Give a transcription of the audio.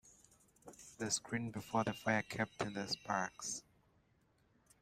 The screen before the fire kept in the sparks.